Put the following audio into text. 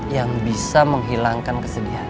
yang bisa menghilangkan kesedihan